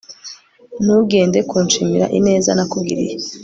ntugende, kunshimira ineza, nakugiriye